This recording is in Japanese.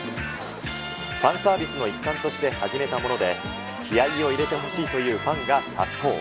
ファンサービスの一環として始めたもので、気合いを入れてほしいというファンが殺到。